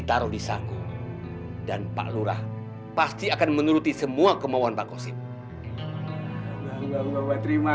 taruh di sangku dan pak lurah pasti akan menuruti semua kemauan pak kostim terima